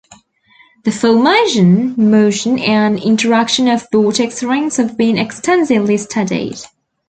The formation, motion and interaction of vortex rings have been extensively studied.